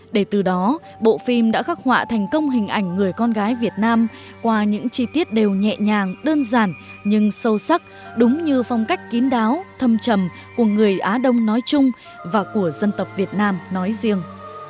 để từ đó bộ phim đã khắc họa thành công hình ảnh người con gái việt nam qua những chi tiết đều nhẹ nhàng đơn giản nhưng sâu sắc đúng như phong cách kín đáo thâm trầm của người á đông nói chung và của dân tộc việt nam nói riêng